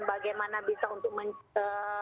bagaimana bisa untuk